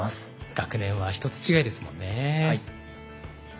学年は一つ違いですもんね。